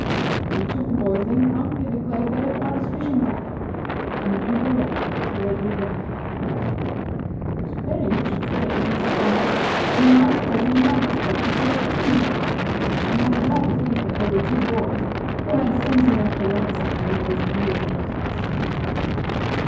Each of the boys then promptly declared it was fishing tackle, and the pupil left, greatly gratified. "I was very much afraid," he said to himself, "that not a person in my district would say fishing tackle; and I am glad to think that there were two boys who had sense enough to like something that is really interesting."